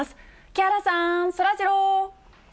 木原さん、そらジロー。